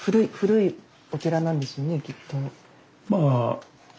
きっと。